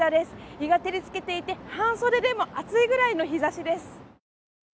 日が照りつけていて半袖でも暑いぐらいの日ざしです。